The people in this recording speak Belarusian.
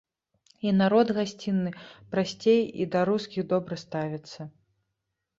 І народ гасцінны, прасцей, і да рускіх добра ставяцца.